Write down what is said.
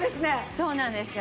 そうなんですよ。